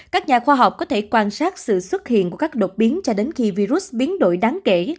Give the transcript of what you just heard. các nhà khoa học có thể quan sát sự xuất hiện của các đột biến cho đến khi virus biến đổi đáng kể